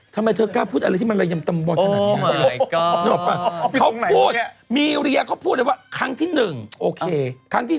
เกิดคนถึงตกใจอยู่ขนาดนี้